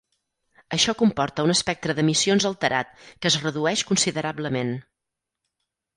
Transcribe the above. Això comporta un espectre d'emissions alterat, que es redueix considerablement.